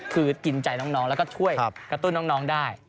คือกินใจน้องแล้วก็ช่วยกระตุ้นน้องได้